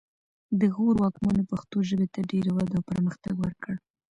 د غور واکمنو پښتو ژبې ته ډېره وده او پرمختګ ورکړ